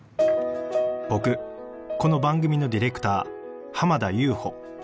僕この番組のディレクター濱田悠歩。